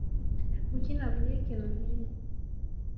Kuki navuga ikintu nkicyo?